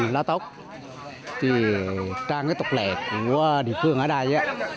lá tóc trang tục lẹt của địa phương ở đây